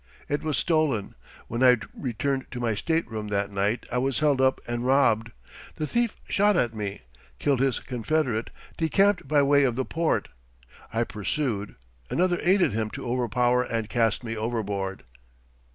"It was stolen; when I returned to my stateroom that night I was held up and robbed. The thief shot at me, killed his confederate, decamped by way of the port. I pursued. Another aided him to overpower and cast me overboard."